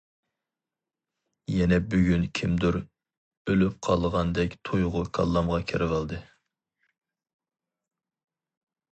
يەنە بۈگۈن كىمدۇر ئۆلۈپ قالىدىغاندەك تويغۇ كاللامغا كىرىۋالدى.